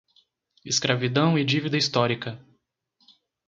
Escravidão e dívida histórica